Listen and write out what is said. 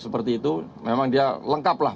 seperti itu memang dia lengkaplah